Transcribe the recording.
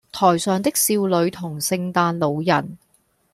台上的少女同聖誕老人